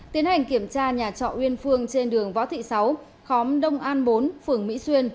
tiến hành kiểm tra nhà trọ uyên phương trên đường võ thị sáu khóm đông an bốn phường mỹ xuyên